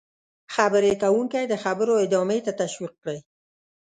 -خبرې کوونکی د خبرو ادامې ته تشویق کړئ: